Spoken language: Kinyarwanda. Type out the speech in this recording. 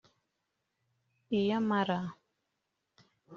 iy’amara